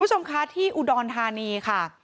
คุณผู้ชมคะที่อุดรธานีค่ะ